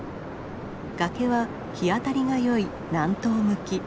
崖は日当たりがよい南東向き。